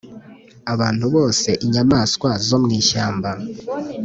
Abantu bose inyamaswa zo mu ishyamba